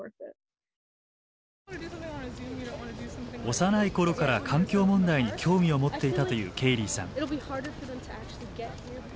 幼い頃から環境問題に興味を持っていたというケイリーさん。